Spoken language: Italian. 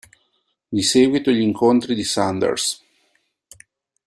Di seguito gli incontri di Sanders.